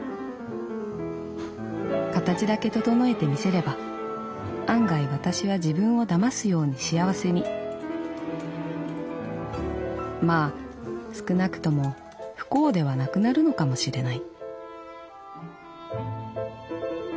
「形だけ整えてみせれば案外私は自分を騙すように幸せにまあ少なくとも不幸ではなくなるのかもしれない」。